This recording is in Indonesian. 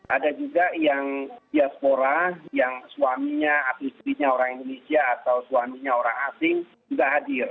ada juga yang diaspora yang suaminya atletnya orang indonesia atau suaminya orang asing juga hadir